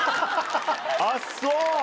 あっそう。